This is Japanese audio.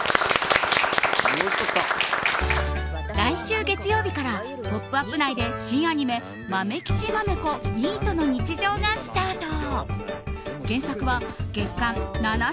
来週月曜日から「ポップＵＰ！」内で新アニメ「まめきちまめこニートの日常」がスタート。